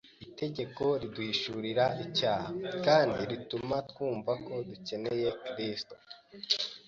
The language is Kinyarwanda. Itegeko riduhishurira icyaha, kandi rituma twumva ko dukeneye Kristo